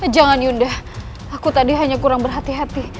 jangan yundah aku tadi hanya kurang berhati hati